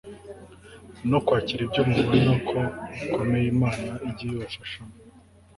no kwakira ibyo mubona ko bikomeye Imana ijye ibibafashamo